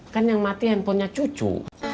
kan yang mati handphonenya cucu